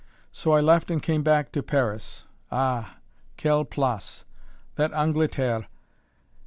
So I left and came back to Paris. Ah! quelle place! that Angleterre!